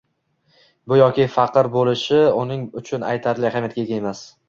Boy yoki faqir bo'lishi uning uchun aytarli ahamiyatga ega emas.